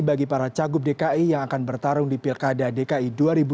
bagi para cagup dki yang akan bertarung di pilkada dki dua ribu tujuh belas